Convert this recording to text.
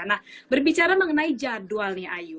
nah berbicara mengenai jadwal nih ayu